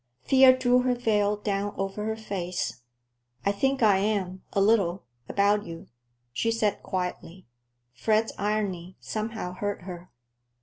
Thea drew her veil down over her face. "I think I am, a little; about you," she said quietly. Fred's irony somehow hurt her.